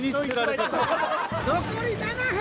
残り７分！